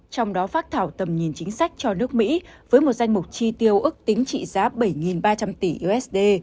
trong đó phát thảo tầm nhìn chính sách cho nước mỹ với một danh mục chi tiêu ước tính trị giá bảy ba trăm linh tỷ usd